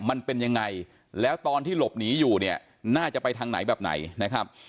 มันเป็นยังไงแล้วตอนที่หลบหนีอยู่เนี่ยน่าจะไปทางไหนแบบไหนนะครับ